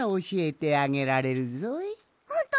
ほんと？